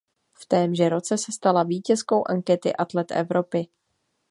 V témže roce se stala vítězkou ankety Atlet Evropy.